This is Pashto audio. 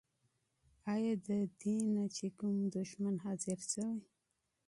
آيا ددينه چې کوم دشمن حاضر شوی؟